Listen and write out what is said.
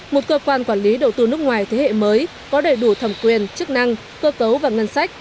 một cơ quan quản lý đầu tư nước ngoài thế hệ mới có đầy đủ thẩm quyền chức năng cơ cấu và ngân sách